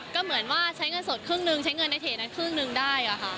ก็เหมือนว่าใช้เงินสดครึ่งหนึ่งใช้เงินในเพจนั้นครึ่งหนึ่งได้ค่ะ